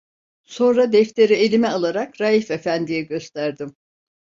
Sonra defteri elime alarak Raif efendiye gösterdim.